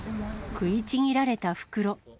食いちぎられた袋。